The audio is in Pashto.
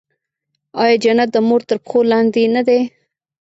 آیا جنت د مور تر پښو لاندې نه دی؟